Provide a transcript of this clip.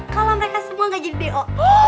kalo mereka semua nggak jadi b o